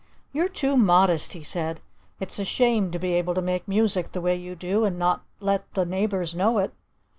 "You're too modest," he said. "It's a shame to be able to make music the way you do and not let the neighbors know it.